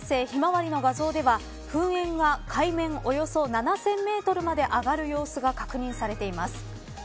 気象衛星ひまわりの画像では噴煙が海面およそ７０００メートルまで上がる様子が確認されています。